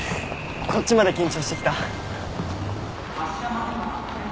こっちまで緊張してきた。